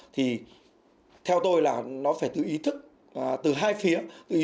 thì theo tôi là nó phải từ ý thức từ hai phía